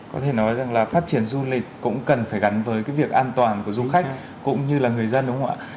có thể nói rằng là phát triển du lịch cũng cần phải gắn với cái việc an toàn của du khách cũng như là người dân đúng không ạ